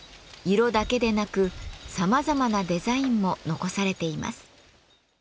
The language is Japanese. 色だけでなくさまざまなデザインも残されています。